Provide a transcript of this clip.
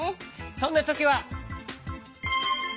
そんなときは。